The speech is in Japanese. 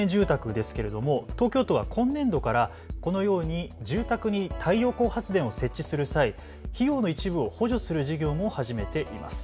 初めに出てきた省エネ住宅ですけれども東京都は今年度からこのように住宅に太陽光発電を設置する際、費用の一部を補助する事業も始めています。